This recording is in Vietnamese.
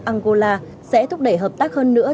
của angola sẽ thúc đẩy hợp tác hơn nữa